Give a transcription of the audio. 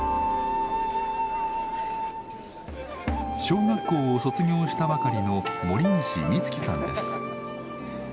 小学校を卒業したばかりの森西美月さんです。